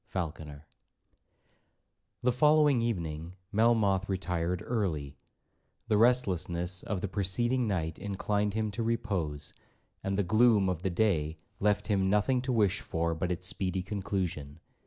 FALCONER The following evening Melmoth retired early. The restlessness of the preceding night inclined him to repose, and the gloom of the day left him nothing to wish for but its speedy conclusion.